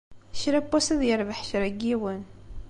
Kra n wass ad yerbeḥ kra n yiwen.